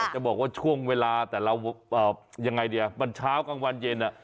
จะบอกว่าช่วงเวลาแต่เรายังไงดีมันเช้ากลางวันเย็น